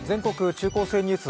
中高生ニュース」